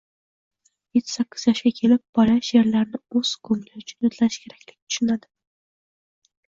Yetti-sakkiz yoshga kelib bola sheʼrlarni o‘z ko‘ngli uchun yodlash kerakligi tushunadi.